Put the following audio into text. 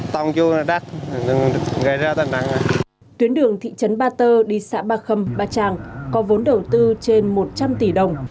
tuyến đường thị trấn ba tơ đi xã ba khâm ba trang có vốn đầu tư trên một trăm linh tỷ đồng